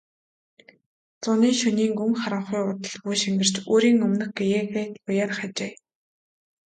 Зуны шөнийн гүн харанхуй удалгүй шингэрч үүрийн өмнөх гэгээ туяарах ажээ.